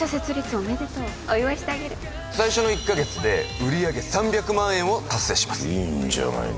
おめでとうお祝いしてあげる最初の１ヶ月で売上３００万を達成しますいいんじゃないの？